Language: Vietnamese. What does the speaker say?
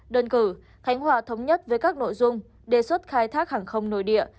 đơn cử khánh hòa thống nhất với các nội dung đề xuất khai thác hàng không nội địa